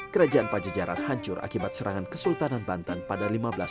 kerajaan pajajaran hancur akibat serangan kesultanan bantan pada seribu lima ratus tujuh puluh sembilan